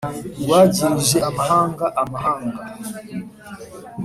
rwagirije amahanga amahanga